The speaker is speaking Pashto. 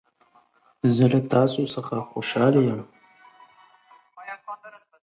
بې عدالتي د ټولني بنسټونه لړزوي.